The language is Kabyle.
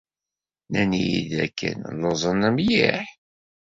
Nnan-iyi-d dakken llan lluẓen mliḥ.